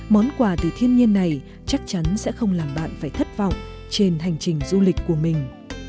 món quà từ thiên nhiên này chắc chắn sẽ không làm bạn phải thất vọng trên hành trình du lịch của mình